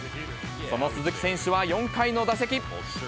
その鈴木選手は４回の打席。